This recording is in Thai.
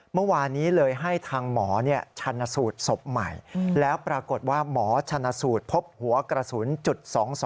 เมื่อวานนี้เลยให้ทางหมอชันสูตรศพใหม่แล้วปรากฏว่าหมอชนสูตรพบหัวกระสุนจุด๒๒